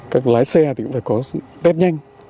các lái xe thì cũng phải có tét nhanh